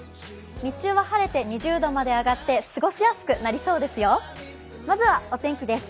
日中は晴れて２０度まで上がって過ごしやすくなりそうですよ。